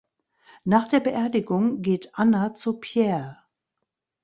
Nach der Beerdigung geht Anna zu Pierre.